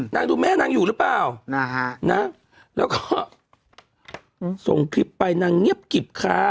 ดูแม่นางอยู่หรือเปล่านะแล้วก็ส่งคลิปไปนางเงียบกิบค่ะ